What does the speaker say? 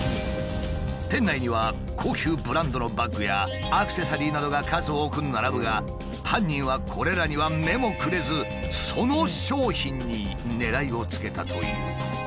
店内には高級ブランドのバッグやアクセサリーなどが数多く並ぶが犯人はこれらには目もくれずその商品に狙いをつけたという。